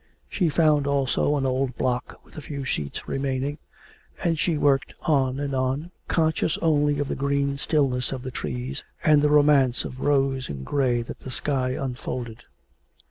She found also an old block, with a few sheets remaining; and she worked on and on, conscious only of the green stillness of the trees and the romance of rose and grey that the sky unfolded.